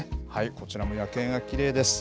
こちらも夜景がきれいです。